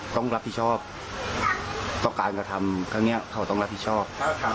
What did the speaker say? ต้องรับผิดชอบต้องการกระทำเขาต้องรับผิดชอบ